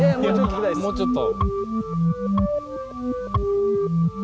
もうちょっと。